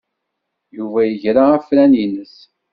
Yuba iga afran-nnes.